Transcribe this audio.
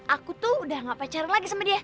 aku tuh udah gak pacaran lagi sama dia